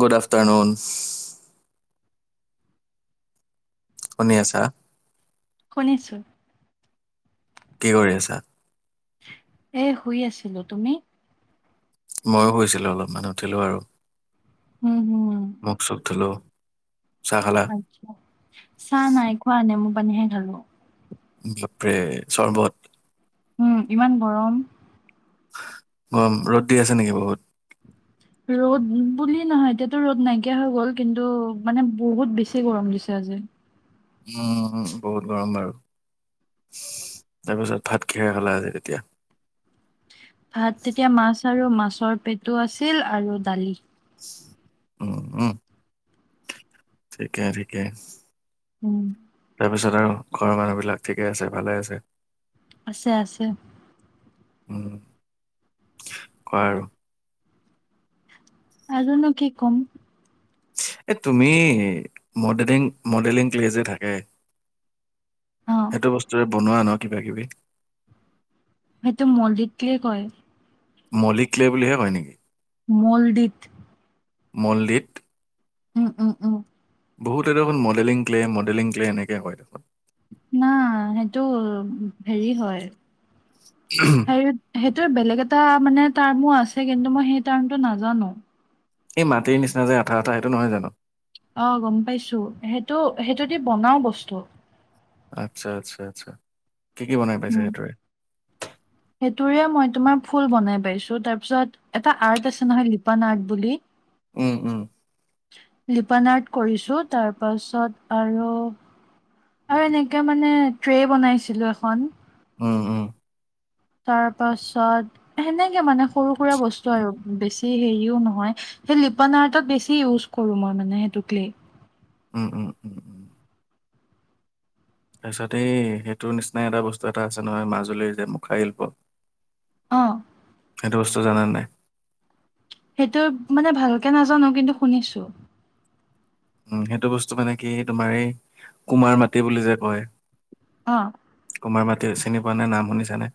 Good afternoon. শুনি আছা। শুনিছোঁ। কি কৰি আছা? এই শুই আছিলো, তুমি? ময়ো শুইছিলোঁ, অলপমান উঠিলো আৰু। উম উম। মুখ, চুখ ধলো। চাহ নাই খোৱা, নেমু পানীহে খালো। বাপৰে চৰ্বত। উম, ইমান গৰম। গৰম, ৰ'দ দি আছে নেকি বহুত? ৰ'দ বুলি নহয় এতিয়াতো ৰ'দ নাইকিয়া হৈ গ'ল, কিন্তু মানে বহুত বেছি গৰম দিছে। আজি। উম, বহুত গৰম বাৰু। তাৰপিছত ভাত কিহেৰে খালা, আজি, এতিয়া? ভাত তেতিয়া মাছ আৰু মাছৰ পেটো আছিল, আৰু দালি। উম, উম, ঠিকে, ঠিকে। উম। তাৰপিছত আৰু ঘৰৰ মানুহ বিলাক, ঠিকে আছে, ভালে আছে? আছে, আছে। উম কোৱা আৰু। আৰুনো কি কম। এ তুমি, মডেলিং মডেলিং ক্লেজে থাকে। অ সেইটো বস্তুৰে বনোৱা ন কিবা কিবি। সেইটো মল্ডেদ ক্লে কয়। মল্লিক ক্লে বুলিহে কয় নেকি? মলডিত। মল্লিত উম উম উম। বহুতে দেখোন মডেলিং ক্লে মডেলিং ক্লে এনেকে কয়। না সেইটো হেৰি হয় হেৰি হে তাৰ বেলেগ এটা মানে টাৰ্মো আছে কিন্তু মই সেই টাৰ্মটো নাজানো। এই মাটিৰ নিচিনা যে আঠা আঠা সেইটো নহয় জানো? অ গম পাইছো সেইটো সেইটো দি বনাও বস্তু। আচ্ছা আচ্ছা আচ্ছা, কি কি বনাই পাইছা উম। সেইটোৰে? সেইটোৰে মই তোমাৰ ফুল বনাই পাইছো, তাৰপিছত এটা আৰ্ট আছে নহয় লিপান আৰ্ট বুলি উম উম। লিপানাৰ্ট কৰিছোঁ তাৰ পাছত আৰু আৰু এনেকে মানে ট্ৰে বনাইছিলোঁ এখন। উম, উম। তাৰপাছত সেনেকে মানে সৰু সুৰা বস্তু আৰু বেছি হেৰিও নহয়। সেই লিপনাআৰ্টত বেছি ইউজ কৰোঁ, মই মানে সেইটোক ক্লে। উম, উম, উম। তাৰ পিছত এই সেইটোৰ নিচিনা এটা বস্তু এটা আছে নহয় মাজুলীৰ যে মুখা শিল্প অ' সেইটো বস্তু জানা নে নাই? সেইটো মানে ভালকে নাজানোঁ কিন্তু শুনিছোঁ। উম, সেইটো বস্তু মানে কি তোমাৰ এই কুমাৰ মাটি বুলি যে কয়। অ' কুমাৰ মাটি চিনি পোৱা নে নাম শুনিছানে?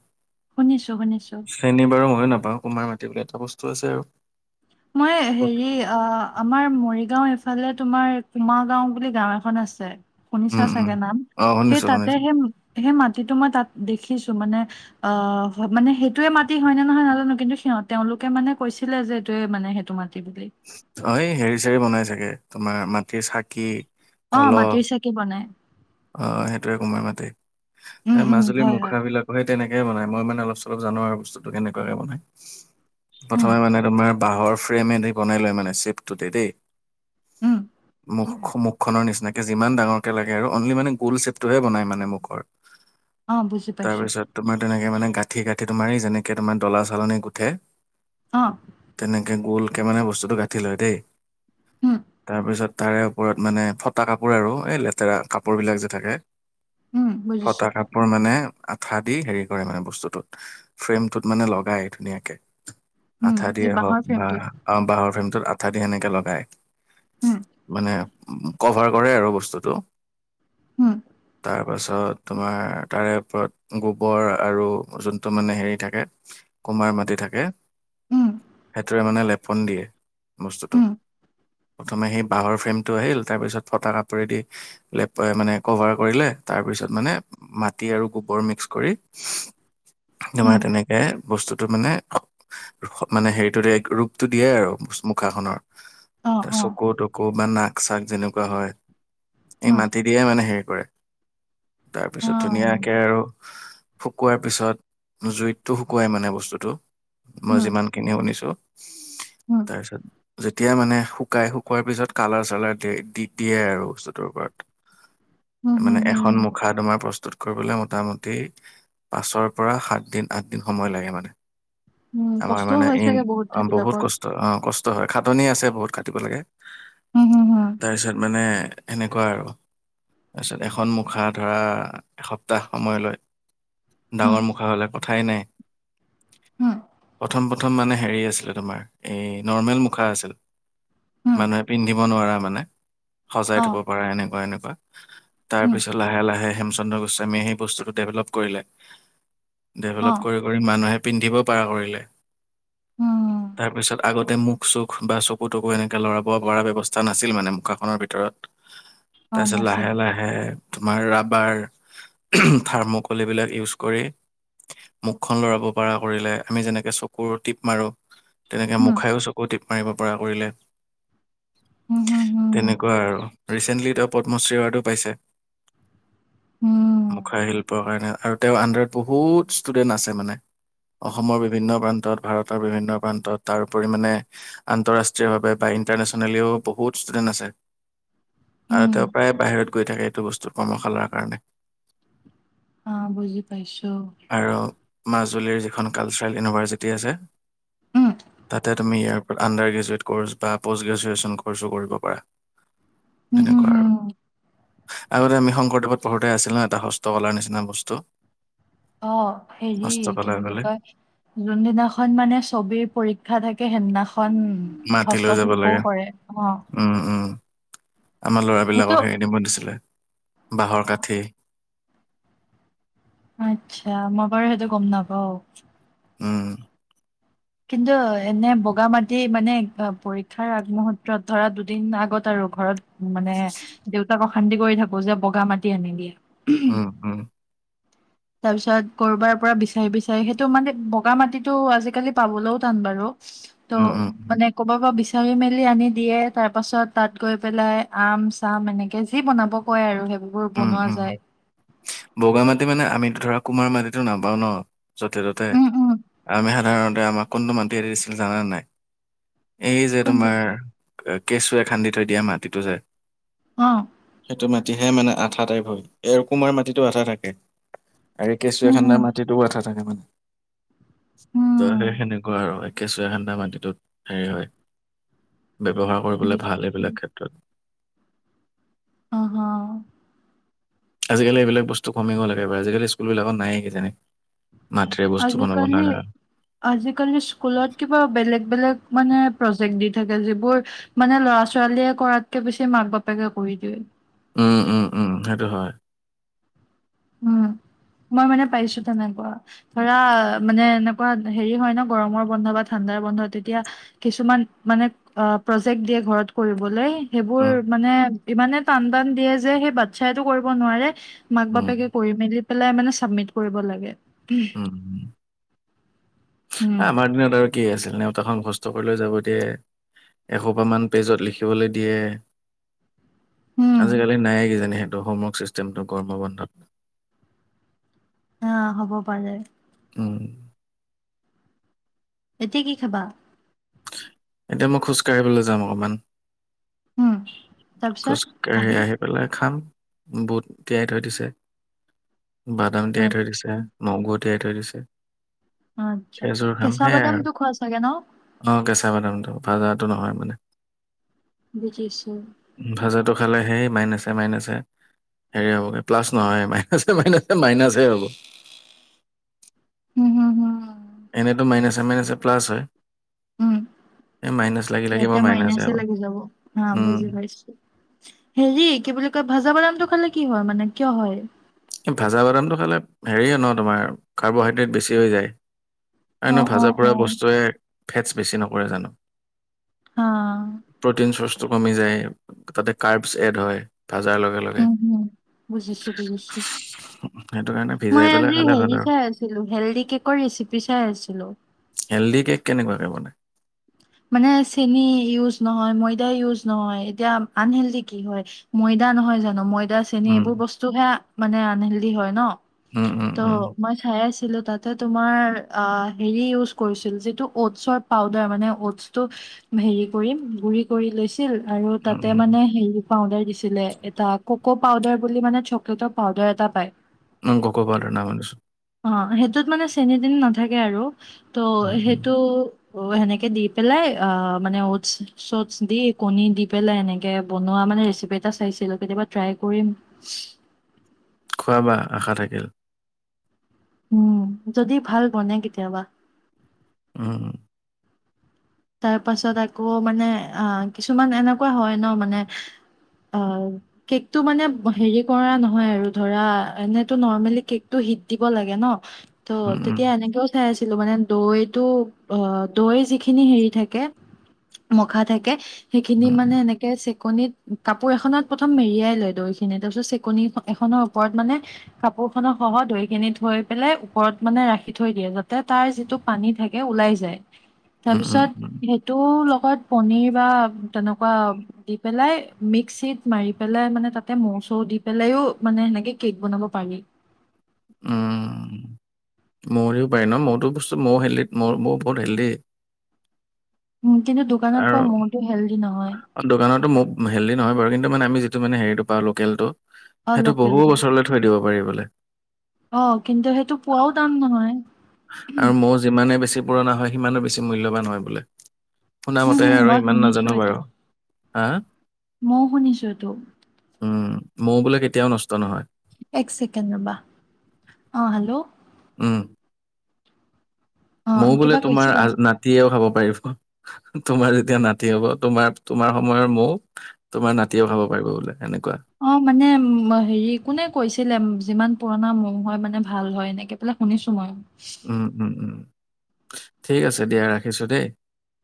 শুনিছো শুনিছো চিনি বাৰু মইয়ো না পাওঁ। কোমাৰ মাটি বোলি এটা বস্তু আছে আৰু মই হেৰি অ' আমাৰ মৰিগাঁও এফালে তোমাৰ কুমাৰ গাঁও বুলি গাঁও এখন আছে। শুনিছা উম উম চাগে নাম। অ সেই শুনিছো তাতে শুনিছো সেই সেই মাটিটো মই তাত দেখিছোঁ মানে অ' মানে সেইটোয়ে মাটি হয়নে নহয় নাজানোঁ, কিন্তু সিহঁতে তেওঁলোকে মানে কৈছিলে যে সেইটোৱে মানে সেইটো মাটি বুলি অ' এই হেৰি চেৰি বনাই চাগে তোমাৰ মাটিৰ চাকি অহ' কলহ মাটিৰ চাকি বনায়। অ' সেইটোয়ে কুমাৰ মাটি উম এই উম মাজুলীৰ হয় হয় মুখৰাবিলাক সেই তেনেকে এ বনাই মই মানে অলপ চলপ জানোঁ আৰু বস্তুটো কেনেকুৱাকে বনাই উম প্ৰথমে মানে তোমাৰ বাঁহৰ ফ্ৰেম এদি বনাই লয় মানে চেপটোতে দেই উম মুখ মুখ মুখনৰ নিচিনাকে যিমান ডাঙৰক লাগে অনলি মানে গোল চেপটোহে বনাই মানে মুখৰ অ বুজি পাইছো তাৰপিছত তোমাৰ তেনেকে মানে গাঁঠি গাঁঠি তোমাৰ যেনেকে তোমাৰ ডলা চালনী গুঠে অ তেনেকে গোল এনেকে মানে বস্তুটো গাঁঠি লয় দেই, উম তাৰপিছত তাৰে ওপৰত মানে ফটা কাপোৰ আৰু এই লেতেৰা কাপোৰবিলাক যে থাকে উম বুজিছো ফটা কাপোৰ মানে আঠা দি হেৰি কৰে মানে বস্তুটোত ফ্ৰেমটোত মানে লগাই ধুনীয়াকে উম আঠা এই দিয়ে হওঁক বাঁহৰ বা ফ্ৰেমটোত বাঁহৰ ফ্ৰেমটোত আঠা দি সেনেকে লগায়। উম মানে কভাৰ কৰে আৰু বস্তুটো উম তাৰ তাৰপাছত তোমাৰ তাৰে ওপৰত গোবৰ আৰু যোনটো মানে হেৰি থাকে কুমাৰ মাটি থাকে, উম সেইটোৱে মানে লেপন দিয়ে বস্তুটোক। উম প্ৰথমে সেই বাঁহৰ ফ্ৰেমটো আহিল, তাৰপিছত ফটা কাপোৰে দি লেপ মানে কভাৰ কৰিলে, তাৰপিছত মানে মাটি আৰু গোবৰ মিক্স কৰি তোমাৰ উম তেনেকে বস্তুটো মানে মানে হেৰিটো ৰোগ দিয়ে আৰু মুখাখনৰ অ অ চকু তকু বা নাক চাক যেনেকুৱা হয়। এই উম মাত মানে হেৰি কৰে, অ, তাৰপিছত ধুনীয়াকে আৰু শুকোৱাৰ পিছত, জুইতটো শুকুৱাই মানে বস্তুটো মই হুম, যিমানখিনি শুনিছোঁ। হুম, তাৰপিছত যেতিয়া মানে শুকাই, শুকোৱাৰ পিছত কালাৰ চালাৰ দে দি দিয়ে আৰু বস্তুটোৰ ওপৰত। হুম, হুম, মানে হুম, এখন মুখা তোমাৰ প্ৰস্তুত কৰিবলৈ মোটা মোটামুটি পাঁচৰ পৰা সাত দিন, আঠ দিন সময় লাগে মানে। হুম, আমাৰ কষ্টও মানে হয় ইন চাগে বহুত সেইবিলাকত। কষ্ট অ' কষ্ট হয়। খাটনি আছে, বহুত খাটিব লাগে। হুম, হুম, হুম, তাৰপিছত মানে এনেকুৱা আৰু পাছত এখন মুখা ধৰা এসপ্তাহ সময় লয়। হুম, ডাঙৰ মুখা হ'লে কথাই নাই। হুম, প্ৰথম প্ৰথম মানে হেৰি আছিলে তোমাৰ, এই নৰ্মেল মুখা আছিল। হুম, মানুহে পিন্ধিব নোৱাৰা মানে। সজাই অ, থব পাৰা এনেকুৱা এনেকুৱা, হুম, তাৰপিছত লাহে লাহে হেমচন্দ্ৰ গোস্বামীয়ে সেই বস্তুটো ডেভেলপ কৰিলে, অ, ডেভেলপ কৰি কৰি মানুহে পিন্ধিব পাৰা কৰিলে। উম। তাৰপিছত আগতে মুখ চুখ বা চকু তকু এনেকে লৰাব পৰা ব্যৱস্থা নাছিল মানে মুখাখনৰ ভিতৰত। গম তাৰপিছত লাহে নাছিলে। লাহে তোমাৰ ৰাবাৰ, থাৰ্মকল এইবিলাক ইউজ কৰি মুখখন লৰাব পৰা কৰিলে আমি যেনেকে চকুৰ টিপ মাৰো তেনেকে হুম, মুখায়ো চকু টিপ মাৰিব পৰা কৰিলে। হুম, হুম, হুম, তেনেকুৱা আৰু ৰিচেণ্টলি তেওঁ পদ্মশ্ৰী এৱাৰ্ডো পাইছে। হুম, মুখা শিল্পৰ কাৰণে, আৰু তেওঁ অন্দাৰত বহুত ষ্টুডেন্ট আছে মানে। অসমৰ বিভিন্ন প্ৰান্তত ভাৰতৰ বিভিন্ন প্ৰান্তত তাৰ ওপৰি মানে আন্তঃৰাষ্ট্ৰীয়ভাৱে ব ইণ্টাৰনেশ্যনেলিও বহুত ষ্টুডেণ্ট আছে আৰু হুম, তেওঁ প্ৰায় বাহিৰত গৈ থাকে এইটো বস্তু কৰ্মশালাৰ কাৰণে আহ বুজি পাইছো আৰু মাজুলীৰ যিখন কালচাৰেল ইউনিভাৰ্চিটি আছে উম, তাতে তুমি ইয়াৰ আণ্ডাৰ গ্ৰেজুৱেট ক'ৰ্চ বা প'ষ্ট গ্ৰেজুৱেশ্যন ক'ৰ্ছো কৰিব পাৰ উম হুম হম আগতে আমি শংকৰদেৱত পঢ়োঁতে আছিলোঁ না এটা হস্ত কালাৰ নিচিনা বস্তু অ হেৰি কি হস্তকলা বুলি বোলে কয় যোনদিনাখন মানে ছবিৰ পৰীক্ষা থাকে সেইদিনাখন এখন মাটি লৈ যাব হস্তশিল্পও লাগে কৰে অ উম, উম, আমাৰ সেইটো লৰাবিলাকৰ সেটো আনিব দিছিলে বাঁহৰ কাঠি আত্ছা মই বাৰু সেইটো গম নাপাওঁ উম কিন্তু এনে বগা মাটি মানে পৰীক্ষাৰ আগমুহূৰ্তত ধৰা দুদিন আগত আৰু ঘৰত মানে দেউতাক অশান্তি কৰি থাকো যে বগা মাটি আনিবি উম উম তাৰপিছত কৰবাৰ পৰা বিচাৰি বিচাৰি সেইটো মানে বগা মাটিটো আজিকালি পাবলৈও টান বাৰু তো উম, উম, মানে কবা [unintelligible] চাৰি মেলি আনি দিয়ে তাৰ পাছত তাত গৈ পেলাই আম চাম এনেকে যি বনাব কয় আৰু সেইব উম উম বগা মাটি মানে আমিতো ধৰক কুমাৰ মাটিতো নাপাওঁ ন য'তে ত'তে উম উম আমি সাধাৰণতে আমাক কোনটো মাতি দি দিছিল জানা নাই এই যে কোনটো তোমাৰ কেঁচুৱে খান্দি থৈ দিয়া মাটিটো যে অ [unintelligible] মাটিহে মানে আঠা টাইপ হয় এৰ কুমাৰ মাটিতো আঠা থাকে আৰু কেঁচুৱাই উম খান্দা উম মাটিতো আঠা থাকে মানে ত উম সেই সেনেকুৱা আৰু একেচুৱাই খান্দা মাটিটোত হেৰি হয় ব্যৱহাৰ কৰিবলৈ ভাল বুজিছো এইবিলাক ক্ষেত্ৰত অ হ আজিকালি এইবিলাক বস্তু কমি গ'ল একেবাৰে আজিকালি স্কুলবিলাকত নায়ে কিজানি মাটিৰে বস্তু বনাব আজিকালি লগা। আজিকালি স্কুলত কিবা বেলেগ বেলেগ মানে প্ৰজেক্ট দি থাকে যিবোৰ মানে লৰা ছোৱালীয়ে কৰাতকে বেছি মাক বাপেকে কৰি দিয়ে উম উম উম সেইটো হয় উম মই মানে পাইছো তেনেকুৱা ধৰা মানে এনেকুৱা হেৰি হয় ন গৰমৰ বন্ধ বা ঠাণ্ডা [unintelligible] বন্ধত তেতিয়া কিছুমান মানে অ প্ৰজেক্ট দিয়ে ঘৰত কৰিবলৈ সেইবোৰ উম, মানে ইমানে টান টান দিয়ে যে সেই বাচ্ছাইো কৰিব নোৱাৰে মাক উম, বাপেকে- মিলি পেলাই মানে চাবমিট কৰিব লাগে [inaudible] উম, উম। উম আমাৰ দিনত আৰু কি আছিল নেওতাখন ঘসস্থ কৰি লৈ যাব দিয়ে- এসোপ মান পেজত লিখিবলৈ দিয়ে উম আজিকালি নাই কিজানিহেতে- দশমক ছিষ্টেমটো কৰ্মবন্ধত [inaudible] হ হ'ব পাৰে উম এতিয়া কি খাবা এতিয়া মই খোজকাঢ়িবলৈ যাম অকণমান উম খোজকাাঢ়ি আহি পেলাই খাম বুট তিয়াই থৈ দিছে বাদাম তিয়াই থৈ আচ্ছা, দিছে নগৈ তিয়াই থৈ দিছে আচ্ছা। সেইযোৰ খাম কেঁচা সেইয়াই আৰু বাদামটো খোৱা চাগে ন? অ কেঁচা বাদামটো ভাজাত- নহয় মানে [unintelligible] ভাজাটো খালে হে ই মাই নাছে- ছে মাইনাছে হেৰি হ'বগৈ প্লাছ নহয় মাইনাছে মাইনাছে মাইনাছে হ'ব [inaudible] [unintelligible] উম হুম হুম এনেতো মাইনাছেছে মাইনাছেে প্লাছ হয় [inaudible] লাগি লাগি ইয়াটা মোৰ মইনাছ মাইনাছে চে হ'ব লাগি যাব হা উম বুজি পাইছো হেৰি কি বুলি কয় ভাজা বাদামটো খালে কি হয় মানে কিয় হয় এই ভাজা বাদামটো খালে হেৰিয়ে ন তোমাৰ কাৰ্বহাইড্ৰেট বেছি হৈ যায় এ নে অ', ভাজা অ', পৰা অ', বস্তুৱে- ফেটচ বেছি নকৰে জানো হা, [unintelligible] প্ৰ- তো কমি যায় তাতে কাৰ্বচ চেড হয় ভাজাৰ লগে লগে উম হুম বুজিছো বুজিছো সেইটো কাৰণে [inaudible] ভিজাই মই পেলাই আজি খালে ভাল হেৰি আৰু চাই আছিলো হেলডি কেকৰ ৰেচিপি চাই আছো [unintelligible] হেল্ডি কেক কেনেকুৱাকে বানাই- মানে চেনি ইউজ নহয় ময়দ ইউজ নহয় এতিয়া আনহেলি কি হয় ময়ইদা- নহয় জানো ম ই- দা চেনি উম এইবোৰ বস্তু হে মানে আনহেল্ডি হয় ন উম উম ত উম মই খাই আছো তাতে তোমাৰ আ হেৰি উজ কৰিছিলো যিটো [unintelligible] টো হেৰি কৰি গুৰি কৰি লৈছিল আৰু উম তাতে উম মানে হে- পাউদাৰ দিছিলে এটা কক' পাউদাৰ বুলি মানে চকলেটৰ পাউদাৰ এটা পায় ন কক প ন মছো [inaudible] অ সেইটোত মানে চেনী - তেনি নাথাকে আৰু ত' উম উম সেইটো- অ সেনেকে দি পেলাই অ মানে ট চট দি কণী দি পেলাই এেনেকে বনোৱা- মানে ৰেচিপি এটা চাইছিলো কেতিয়াবা ট্ৰাই কৰিম। খোৱাবা আশা থাকিল। উম যদি ভাল বনে কেতিয়াবা। উম উম। তাৰ পাছত আকৌ মানে আহ কিছুমান এনেকুৱা হয় ন মানে- অ কেকটো মানে হেৰি কৰা নহয় আৰু ধৰা এনেতো নৰ্মেলি কেকটো- ভিত দিব লাগে ন [inaudible] ত উম, উম, তেতিয়া এনেকেও চাই আছিলো মানে দৈতটো- অ- দৈ যিখিনি হেৰি- থে স মানে- [inaudible] চেকনিত কাপোৰ এখনত প্ৰথম মেৰিয়াই লয় দৈ খিনি তাৰপিছত চেকনি এখনৰ ওপৰত মানে কাপ- ব খত সহ দৈ কিনি থৈ পেলাই ওপৰত মানে ৰাখি থৈ দিয়ে যাতে তাৰ যিটো পানী থাকে ওলাই যায়। যায়। উম উম উম। লগত পন বা তেনেুৱ ম্ ম [inaudible] মানে তাতে মৌ - চৌ দি পেলাইও মানে সেনেকে কেক বনাব পাৰি। উম। মো পায় ন মোৰতো বস্তু ময়ো হেলডিত ময় বহুত হেল্ডি [inaudible] উম কিন্তু দোকানত আৰু পোৱা মৌ টো হেল্ডি নহয়। দোকানতো মৌ হেল্ডি নহয় বাৰু কিন্তু মানে আমি যিটো মানে হেৰিটো পাওঁ লোকেলটো অ' সেইটোহু লোকেলটো বছৰলৈ থৈ দিব কৰিবলৈ। অ কিন্তু সেইটো পোৱাও টান নহয়। আৰু মৌ যিমানে বেছি পুৰণা হয় সিমানো বেছি মূল্যবান হয় বোলে, শুনা হম, হম, মতেহে আৰু মই ইমান শুনিছো নাজানো এইটো বাৰু। হা ময়ও শুনিছো ইটো। উম মৌ বোলে কেতিয়াও নষ্ট নহয়। এক চেকেণ্ড ৰ'বা, অ হেল্ল'। উম অ' ময়ো বোলে কিবা তোমাৰ কৈছিলা? নাতিয়েও খাব পাৰো। তোমাৰ যেতিয়া নাতি হব তোমাৰ তোমাৰ সময়ৰ মৌ তোমাৰ নাতিয়ে ভাব পাৰিব বোলে। এনেকুৱা। অ' মানে হেৰি কোনে কৈছিলে যিমান। পুৰণা মম হয় মানে ভাল হয় এনেকে পেলাই শুনিছো মই। উম-উম-উম ঠিক আছে দিয়া ৰাখিছো দেই।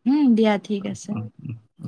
উম, দিয়া ঠিক আছে। উম, উম, উম।